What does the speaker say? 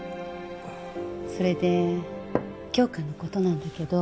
それで杏花のことなんだけど